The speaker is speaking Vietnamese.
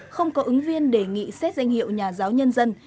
không có ứng viên đề nghị xét danh hiệu nhà giáo nhân dân